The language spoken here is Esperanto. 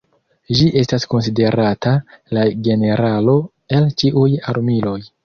Ĝi estas konsiderata "La Generalo el ĉiuj Armiloj".